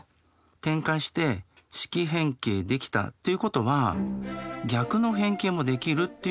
展開して式変形できたということは逆の変形もできるということですよね。